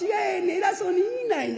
偉そうに言いないな。